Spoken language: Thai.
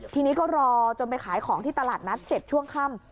ทีนี้ก็รอจนไปขายของที่ตลาดนัดเสร็จช่วงค่ำ